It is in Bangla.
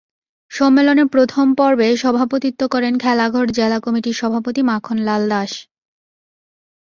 সম্মেলনের প্রথম পর্বে সভাপতিত্ব করেন খেলাঘর জেলা কমিটির সভাপতি মাখন লাল দাস।